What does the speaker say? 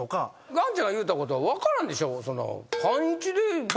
ガンちゃんが言うたこと分からんでしょ。